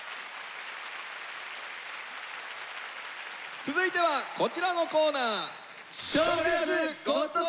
続いてはこちらのコーナー。